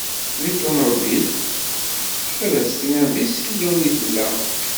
Di ṭunubil, ad as-tiniḍ di ssilun i tella.